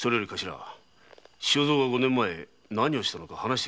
周蔵は五年前何をしたのか話してくれないか。